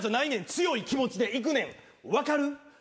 強い気持ちでいくねん分かる？